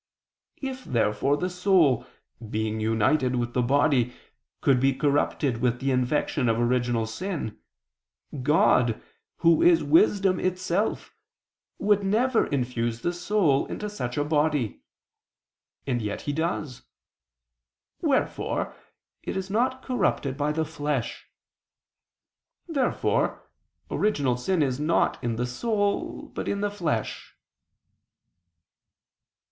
If therefore the soul, by being united with the body, could be corrupted with the infection of original sin, God, Who is wisdom itself, would never infuse the soul into such a body. And yet He does; wherefore it is not corrupted by the flesh. Therefore original sin is not in the soul but in the flesh.